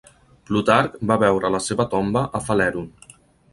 Plutarc va veure la seva tomba a Falèron.